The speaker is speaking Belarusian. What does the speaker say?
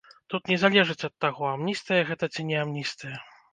Тут не залежыць ад таго, амністыя гэта ці не амністыя.